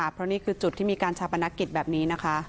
เพราะนี่คือจุดที่มีการชาปนกิจแบบนี้นะคะ